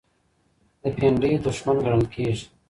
د پينډۍ دښمن ګڼل کېږي.